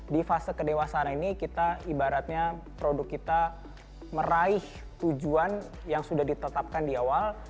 di fase kedewasaan ini kita ibaratnya produk kita meraih tujuan yang sudah ditetapkan di awal